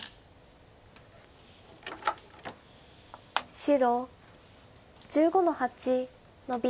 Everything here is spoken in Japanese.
白１５の八ノビ。